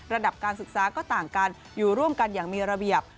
ระดับการศึกษาก็ต่างกันอยู่ร่วมกันอย่างมีระเบียบ